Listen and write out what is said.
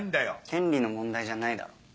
権利の問題じゃないだろ。